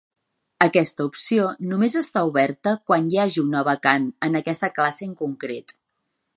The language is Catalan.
Aquesta opció només està oberta quan hi hagi una vacant en aquesta classe en concret.